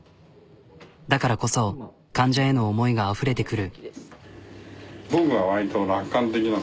だからこそ患者への思いがあふれてくる。